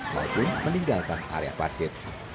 maupun meninggalkan area parkir